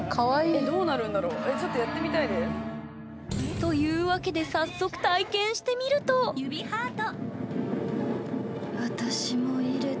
えどうなるんだろう。というわけで早速体験してみると「指ハート」。